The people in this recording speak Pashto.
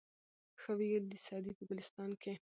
ښه ویلي دي سعدي په ګلستان کي